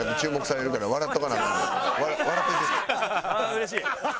うれしい！